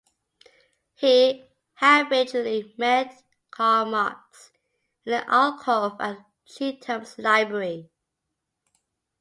He habitually met Karl Marx in an alcove at Chetham's Library.